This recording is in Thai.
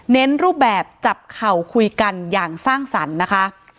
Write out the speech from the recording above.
รูปแบบจับเข่าคุยกันอย่างสร้างสรรค์นะคะ